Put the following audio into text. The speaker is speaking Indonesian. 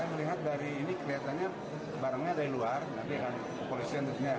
melihat dari ini kelihatannya barangnya dari luar